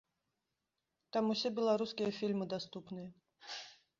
Там ўсе беларускія фільмы даступныя.